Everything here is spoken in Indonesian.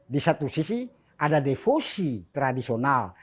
di satu sisi ada defosi tradisional